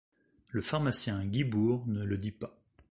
Le pharmacien Guibourt ne le dit pas.